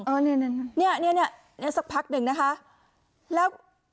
เออเนี่ยเนี่ยเนี่ยเนี่ยเนี่ยสักพักหนึ่งนะคะแล้ว